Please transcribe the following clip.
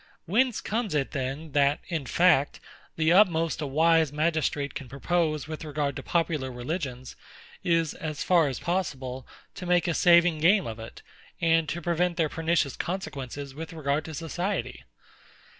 Whence comes it then, that, in fact, the utmost a wise magistrate can propose with regard to popular religions, is, as far as possible, to make a saving game of it, and to prevent their pernicious consequences with regard to society?